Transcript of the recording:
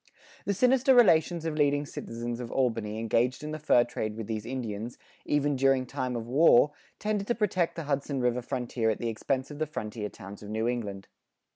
[43:1] The sinister relations of leading citizens of Albany engaged in the fur trade with these Indians, even during time of war, tended to protect the Hudson River frontier at the expense of the frontier towns of New England.